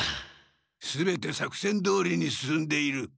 全て作戦どおりに進んでいる。